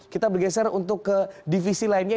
kita bergeser untuk ke divisi lainnya